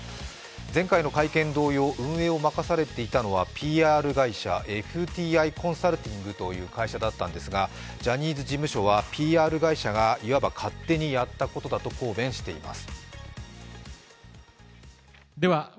前回の会見同様、運営を任されていたのはＰＲ会社ＦＴＩコンサルティングという会社だったんですがジャニーズ事務所はＰＲ会社が勝手にやったことだと抗弁しています。